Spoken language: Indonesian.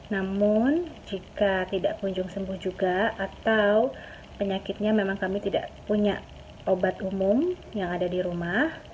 namun jika tidak kunjung sembuh juga atau penyakitnya memang kami tidak punya obat umum yang ada di rumah